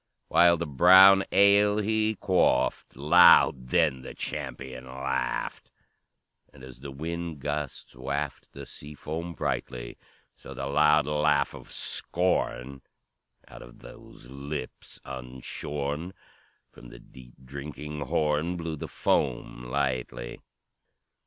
"While the brown ale he quaffed, Loud then the champion laughed, And as the wind gusts waft The sea foam brightly, So the loud laugh of scorn, Out of those lips unshorn, From the deep drinking horn Blew the foam lightly.